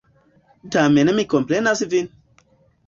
Tamen mi komprenas Vin!